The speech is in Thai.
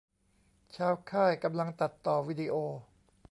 ชาวค่ายกำลังตัดต่อวีดิโอ